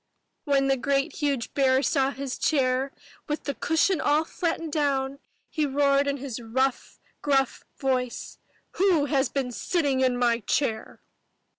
'' When the great huge bear saw his chair with the cushion all flattened down, he roared in his rough, gruff voice, "WHO HAS BEEN SITTING IN MY CHAIR?"